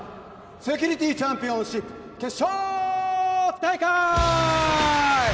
セキュリティチャンピオンシップ決勝大会！